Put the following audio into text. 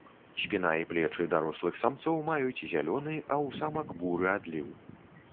Спіна і плечы дарослых самцоў маюць зялёны, а ў самак буры адліў.